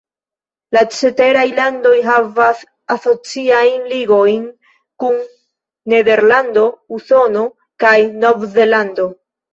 La ceteraj landoj havas asociajn ligojn kun Nederlando, Usono kaj Nov-Zelando.